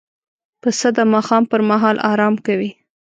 پسه د ماښام پر مهال آرام کوي.